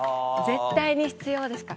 絶対に必要ですか？